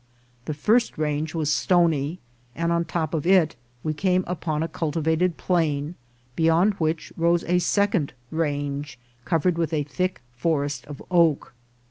The first range was stony, and on the top of it we came upon a cultivated plain, beyond which rose a second range, covered with a thick forest of oak.